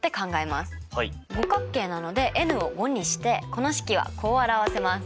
五角形なのでｎを５にしてこの式はこう表せます。